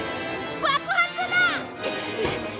爆発だ！